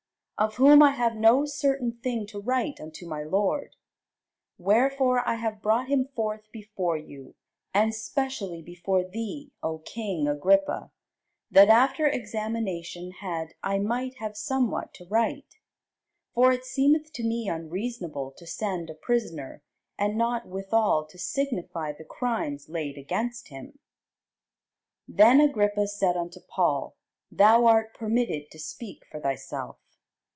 Of whom I have no certain thing to write unto my lord. Wherefore I have brought him forth before you, and specially before thee, O king Agrippa, that, after examination had, I might have somewhat to write. For it seemeth to me unreasonable to send a prisoner, and not withal to signify the crimes laid against him. [Sidenote: The Acts 26] Then Agrippa said unto Paul, Thou art permitted to speak for thyself.